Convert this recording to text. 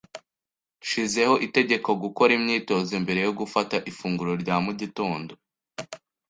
Nshizeho itegeko gukora imyitozo mbere yo gufata ifunguro rya mu gitondo.